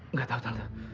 nggak tahu tante